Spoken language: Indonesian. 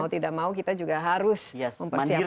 mau tidak mau kita juga harus mempersiapkan